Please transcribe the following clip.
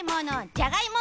じゃがいも。